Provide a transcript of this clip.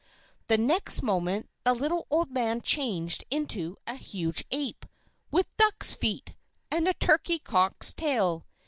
The next moment the little old man changed into a huge ape, with duck's feet, and a turkey cock's tail.